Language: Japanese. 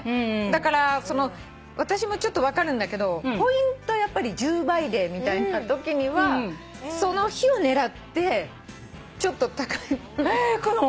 だから私もちょっと分かるんだけどポイント１０倍デーみたいなときにはその日を狙ってちょっと高い物を。